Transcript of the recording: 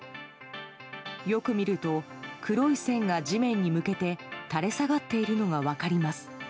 よく見ると、黒い線が地面に向けて垂れ下がっているのが分かります。